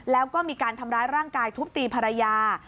แล้วก็มีการทำร้ายร่างกายทุบตีภรรยา